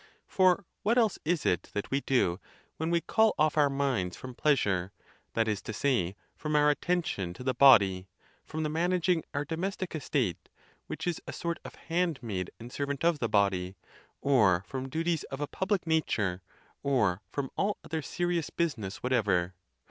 For what else is it that we do, when we call off our minds from pleasure, that is to say, from our attention to the body, from the managing our domestic estate, which is a sort of handmaid and servant of the body, or from du ties of a public nature, or from all other serious business whatever?